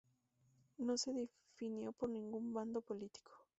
No se definió por ningún bando político.